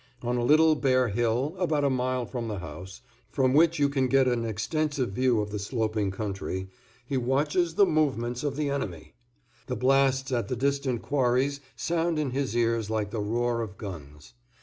On a little bare hill, about a mile from the house, from which you can get an extensive view of the sloping country, he watches the movements of the enemy. The blasts at the distant quarries sound in his ears like the roar of guns.